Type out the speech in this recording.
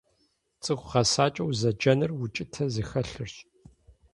ЦӀыху гъэсакӀэ узэджэнур укӀытэ зыхэлъырщ.